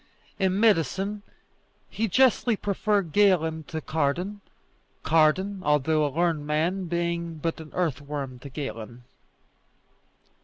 In medicine he justly preferred Galen to Cardan; Cardan, although a learned man, being but an earthworm to Galen.